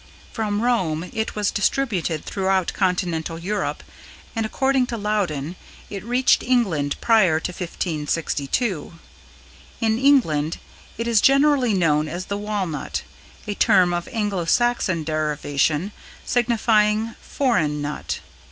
From Rome it was distributed throughout Continental Europe, and according to Loudon, it reached England prior to 1562. In England it is generally known as the walnut, a term of Anglo Saxon derivation signifying "foreign nut".